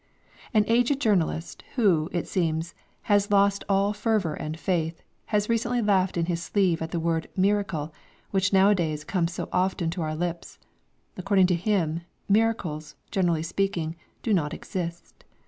An aged journalist, who, it seems, has lost all fervour and faith, has recently laughed in his sleeve at the word "miracle," which nowadays comes so often to our lips: according to him, miracles, generally speaking, do not exist.